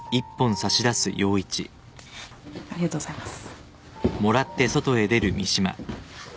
ありがとうございます。